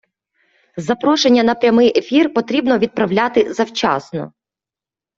Запрошення на прямий ефір потрібно відправляти завчасно